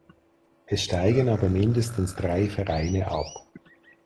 Es steigen aber mindestens drei Vereine ab.